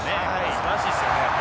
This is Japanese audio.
すばらしいですよね。